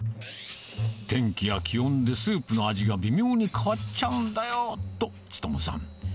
天気や気温でスープの味が微妙に変わっちゃうんだよと、勉さん。